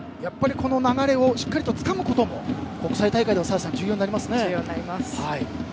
流れをしっかりつかむことも国際大会では重要になりますね。